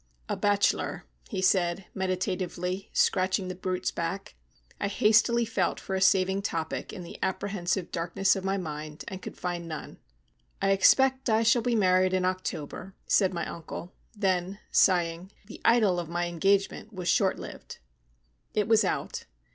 "A bachelor," he said, meditatively, scratching the brute's back. I hastily felt for a saving topic in the apprehensive darkness of my mind, and could find none. "I expect I shall be married in October," said my uncle. Then, sighing: "The idyll of my engagement was short lived." It was out.